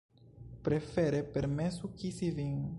Prefere permesu kisi vin.